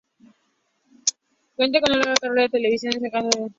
Cuenta con una larga carrera en televisión, destacándose principalmente como villano.